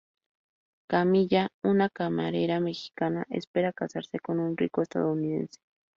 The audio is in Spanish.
Camilla, una camarera mexicana, espera casarse con un rico estadounidense.